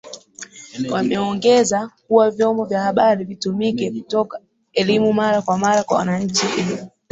Wameongeza kuwa vyombo vya habari vitumike kutoa elimu mara kwa mara kwa wananchi ili